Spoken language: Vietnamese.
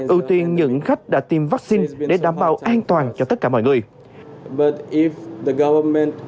ưu tiên những khách đã tiêm vaccine để đảm bảo an toàn cho tất cả mọi người